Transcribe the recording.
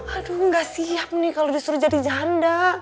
aduh gak siap nih kalau disuruh jadi janda